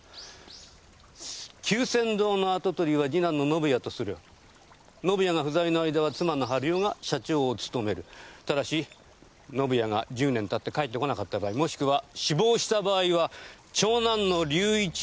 「久泉堂の跡取りは次男の宣也とする」「宣也が不在の間は妻の晴代が社長を務める」「ただし宣也が１０年経って帰ってこなかった場合もしくは死亡した場合は長男の隆一を社長とする」